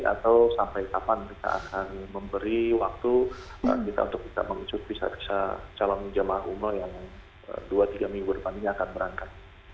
atau sampai kapan mereka akan memberi waktu untuk kita mengisut visa visa calon jamaah umroh yang dua tiga minggu depan ini akan berangkat